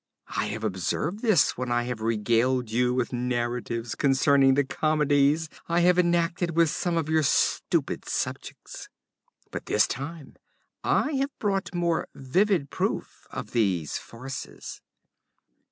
I have observed this when I have regaled you with narratives concerning the comedies I have enacted with some of your stupid subjects. But this time I have brought more vivid proof of these farces.